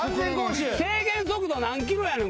制限速度何キロやねん。